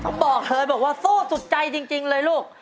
ผมบอกเลยบอกว่าสู้สุดใจจริงเลยลูก